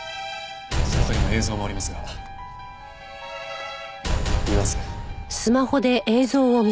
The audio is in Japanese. その時の映像もありますが見ます？